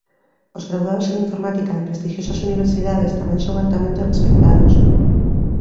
Os graduados en Informática de prestixiosas universidades tamén son altamente respectados.